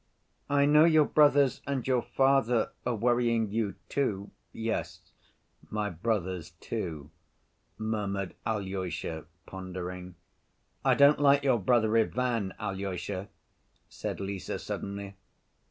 "I know your brothers and your father are worrying you, too." "Yes, my brothers too," murmured Alyosha, pondering. "I don't like your brother Ivan, Alyosha," said Lise suddenly.